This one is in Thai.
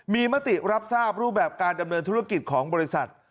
มีมติรับทราบรูปแบบการดำเนินธุรกิจของบริษัท